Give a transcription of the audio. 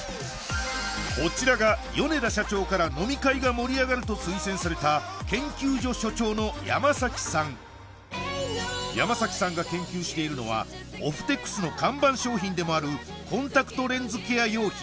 こちらが米田社長から飲み会が盛り上がると推薦された研究所所長の山崎さん山崎さんが研究しているのはオフテクスの看板商品でもあるコンタクトレンズケア用品